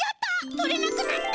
とれなくなった！